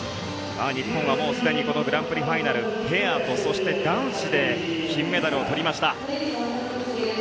日本はもうすでにこのグランプリファイナルペアとそして男子で金メダルを取りました。